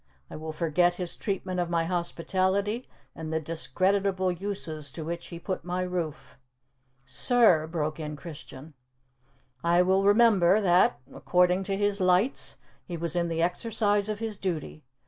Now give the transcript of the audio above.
"I will forget his treatment of my hospitality, and the discreditable uses to which he put my roof." "Sir!" broke in Christian. "I will remember that, according to his lights, he was in the exercise of his duty.